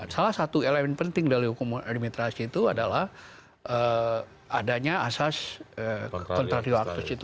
salah satu elemen penting dari hukum administrasi itu adalah adanya asas contraflow actus itu